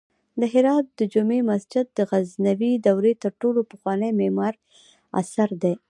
د هرات د جمعې مسجد د غزنوي دورې تر ټولو پخوانی معماری اثر دی